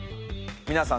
皆さん